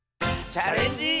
「チャレンジ」。